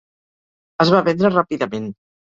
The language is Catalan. Es va vendre ràpidament.